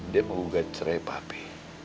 dia mengugat cerai papi